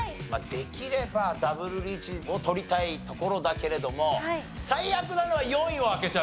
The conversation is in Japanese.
できればダブルリーチを取りたいところだけれども最悪なのは４位を開けちゃう事ね。